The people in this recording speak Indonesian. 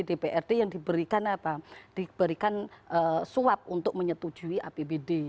dprd yang diberikan suap untuk menyetujui apbd